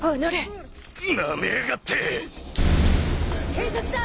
警察だ！